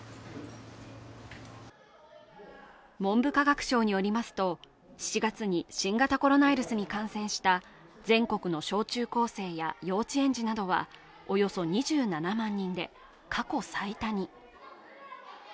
文部科学省によりますと７月に新型コロナウイルスに感染した全国の小中校生や幼稚園児などは、およそ２７万人で過去最高に。